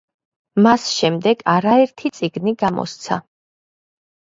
მას შემდეგ არაერთი წიგნი გამოსცა.